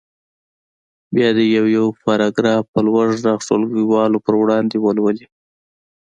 بیا دې یو یو پاراګراف په لوړ غږ ټولګیوالو په وړاندې ولولي.